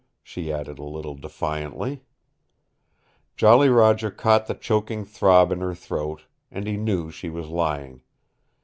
she added a little defiantly. Jolly Roger caught the choking throb in her throat, and he knew she was lying.